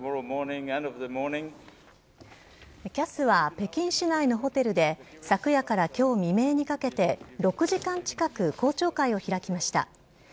ＣＡＳは北京市内のホテルで、昨夜からきょう未明にかけて６時間近く公聴会を開きました。